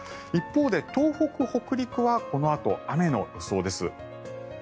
一方で東北、北陸はこのあと雨の予想です。